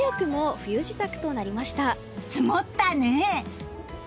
積もったね。